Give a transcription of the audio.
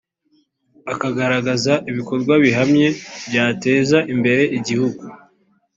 akagaragaza ibikorwa bihamye byateza imbere igihugu